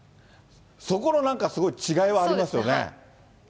そこのなんか、すごい違いはありますよね。